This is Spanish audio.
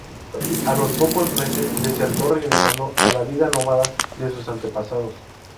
A los pocos meses desertó regresando a la vida nómada de sus antepasados.